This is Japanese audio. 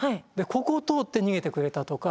ここを通って逃げてくれたとか